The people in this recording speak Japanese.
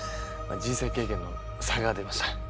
人生経験の差が出ました。